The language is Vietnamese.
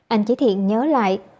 anh chí thiện nhớ lại